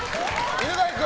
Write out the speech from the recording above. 犬飼君